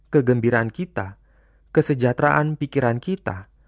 kegembiraan kita kesejahteraan pikiran kita